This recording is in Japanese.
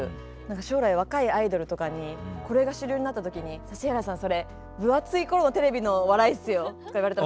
将来若いアイドルとかにこれが主流になった時に「指原さんそれ分厚い頃のテレビの笑いっすよ」とか言われたら怖いなって。